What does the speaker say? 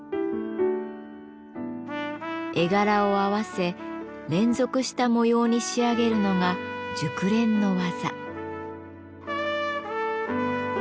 絵柄を合わせ連続した模様に仕上げるのが熟練の技。